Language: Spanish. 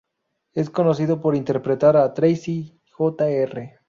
Es conocido por interpretar a Tracy Jr.